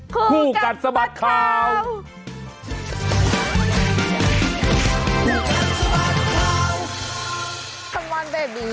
คู่กันสบัดข่าวคู่กันสบัดข่าว